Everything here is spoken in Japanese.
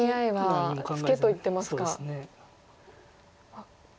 あっ。